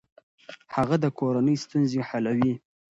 هغه د کورنۍ ستونزې حلوي.